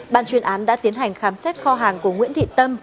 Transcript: ban chuyên án đã tiến hành khám xét kho hàng của nguyễn thị tâm